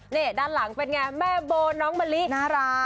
นี่ด้านหลังเป็นไงแม่โบน้องมะลิน่ารัก